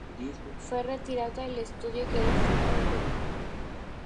Fue retirado del estadio y quedó fuera de peligro.